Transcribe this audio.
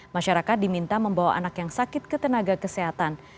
masyarakat diminta membawa anak yang sakit ke tenaga kesehatan